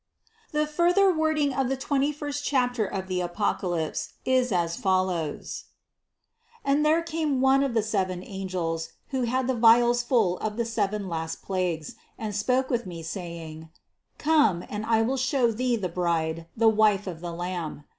The further wording of the twenty first chapter of the Apocalypse is as follows : 9. "And there came one of the seven angels, who had the vials full of the seven last plagues, and spoke with me, saying: Come, and I will show thee the bride, the wife of the Lamb.